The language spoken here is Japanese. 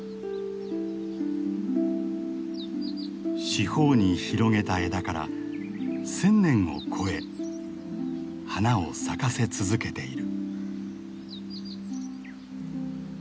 四方に広げた枝から１，０００年を超え花を咲かせ続けている。